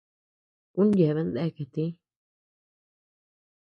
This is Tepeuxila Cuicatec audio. Uu yeabean deakea tïi.